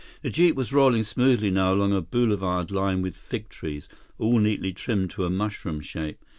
The jeep was rolling smoothly now along a boulevard lined with fig trees, all neatly trimmed to a mushroom shape.